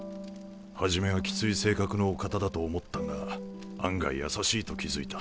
初めはきつい性格のお方だと思ったが案外優しいと気付いた。